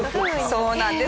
そうなんです。